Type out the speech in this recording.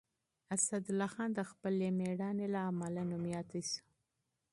اسدالله خان د خپل مېړانې له امله مشهور شو.